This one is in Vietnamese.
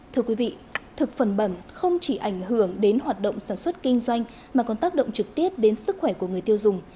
thưa quý vị thực phẩm bẩn không chỉ ảnh hưởng đến hoạt động sản xuất kinh doanh mà còn tác động trực tiếp đến sức khỏe của người tiêu dùng